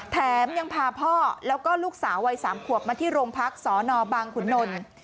แถมยังพาพ่อแล้วก็ลูกสาววัย๓ขวบมาที่โรงพักสนบางขุนนล